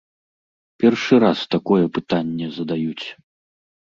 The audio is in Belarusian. Першы раз такое пытанне задаюць.